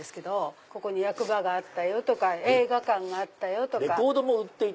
「ここに役場があったよ」とか「映画館があったよ」とか。